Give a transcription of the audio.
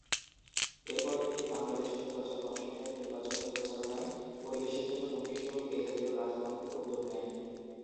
এরপর থেকে বাংলাদেশ নির্বাচন কমিশনের নির্বাচনী প্রচারণায় পরিবেশের জন্য হুমকিস্বরূপ এজাতীয় কাজ বন্ধে উদ্যোগ নেয়।